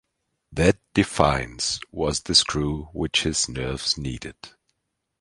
That defiance was the screw which his nerves needed.